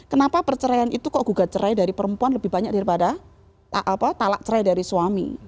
kenapa perceraian itu kok gugat cerai dari perempuan lebih banyak daripada talak cerai dari suami